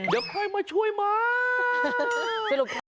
เดี๋ยวใครมาช่วยมั๊ย